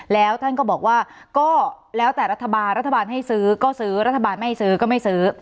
แล้วท่านก็บอกว่าก็แล้วแต่รัฐบาลรัฐบาลให้ซื้อก็ซื้อรัฐบาลไม่ซื้อก็ไม่ซื้อ